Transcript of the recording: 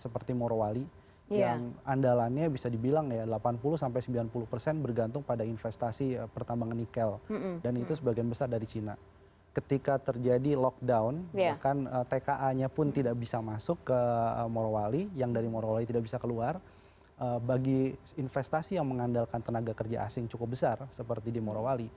pemerintah juga menghentikan promosi wisata